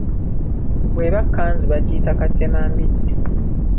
Bw'eba kkanzu bagiyita katemambidde.